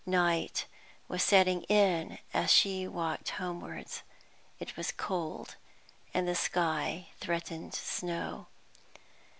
Night was setting in as she walked homewards; it was cold, and the sky threatened snow.